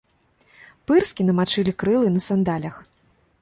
Пырскі намачылі крылы на сандалях.